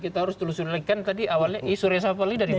kita harus telusur lekan tadi awalnya isu resapel ini dari mana